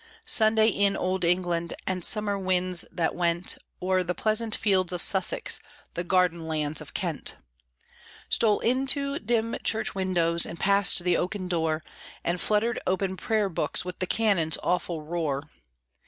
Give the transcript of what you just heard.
Sunday in Old England: And summer winds that went O'er the pleasant fields of Sussex, The garden lands of Kent, Stole into dim church windows And passed the oaken door, And fluttered open prayer books With the cannon's awful roar.